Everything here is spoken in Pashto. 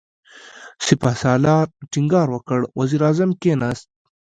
سپهسالار ټينګار وکړ، وزير اعظم کېناست.